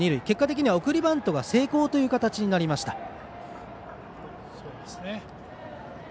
結果的には送りバントが成功という形になりました。